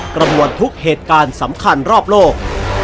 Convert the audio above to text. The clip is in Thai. กระมวลทุกเหตุการณ์สำคัญรอบโลก